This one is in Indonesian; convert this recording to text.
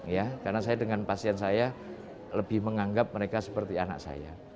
ya karena saya dengan pasien saya lebih menganggap mereka seperti anak saya